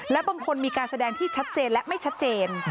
และบางคนมีการแสดงที่ชัดเจนและไม่ชัดเจน